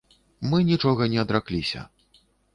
Мы нічога не адракліся.